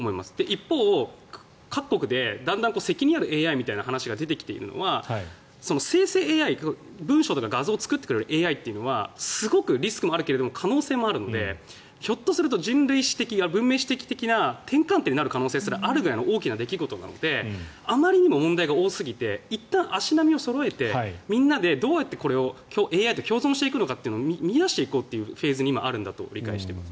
一方、各国でだんだん責任あるＡＩみたいな話が出てきているのは生成ＡＩ文章とか画像を作ってくれるＡＩというのはすごくリスクもあるけど可能性もあるのでひょっとすると人類史的、文明史的な転換点になる可能性があるぐらいの大きな出来事なのであまりにも問題が多すぎていったん足並みをそろえてみんなでどうやってＡＩを共存していくかを見いだしていくフェーズに今、あるんだと理解しています。